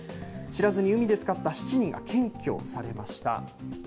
知らずに海で使った７人が検挙されました。